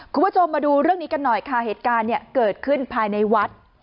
คุณผู้ชมมาดูเรื่องนี้กันหน่อยค่ะเหตุการณ์เนี่ยเกิดขึ้นภายในวัด